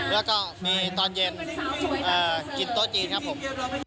แล้วก็มีตอนเย็นกินโต๊ะจีนครับผม